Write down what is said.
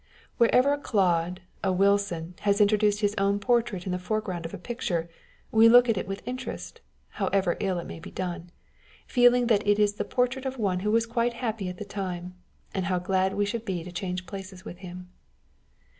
Wherever a Claude, a Wilson has intro duced his own portrait in the foreground of a picture, we look at it with interest (however ill it may be done), feel ing that it is the portrait of one who was quite happy at the time, and how glad we should be to change places with him.